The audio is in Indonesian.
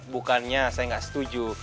bukannya saya gak setuju